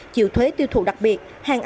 chịu thuế tiêu thụ đặc biệt hàng ảnh